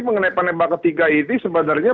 mengenai penembak ketiga ini sebenarnya